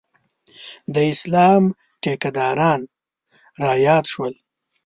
د اسلام ټیکداران رایاد شول.